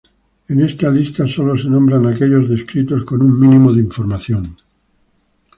En esta lista solo se nombran aquellos descritos con un mínimo de información.